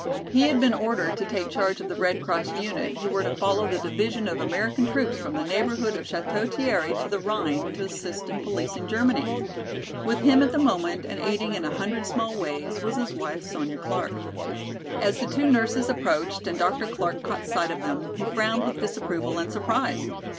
He had been ordered to take charge of the Red Cross unit, who were to follow the division of American troops from the neighborhood of Château Thierry to the Rhine to assist in policing Germany. With him at the moment, and aiding in a hundred small ways, was his wife, Sonya Clark. As the two nurses approached and Dr. Clark caught sight of them, he frowned with disapproval and surprise.